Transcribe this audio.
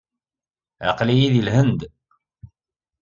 Aql-iyi deg Lhend.